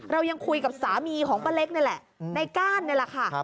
เรายังคุยกับสามีของป้าเล็กนี่แหละในก้านนี่แหละค่ะ